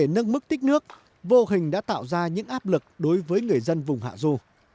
những mức tích nước vô hình đã tạo ra những áp lực đối với người dân vùng hạ dô